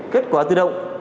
kết quả tự động